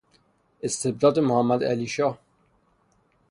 استبداد محمدعلیشاه